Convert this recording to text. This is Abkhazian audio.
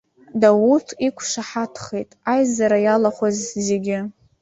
Дауҭ иқәшаҳаҭхеит аизара иалахәыз зегьы.